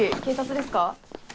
警察ですか？